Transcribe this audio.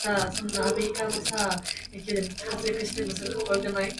소리와 함께 고개를 제치고는 뒤로 덜컥 넘어졌다.